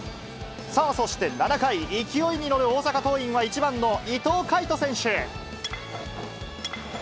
そして７回、勢いに乗る大阪桐蔭は１番の伊藤櫂人選手。